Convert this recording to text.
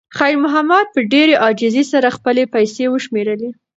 خیر محمد په ډېرې عاجزۍ سره خپلې پیسې وشمېرلې.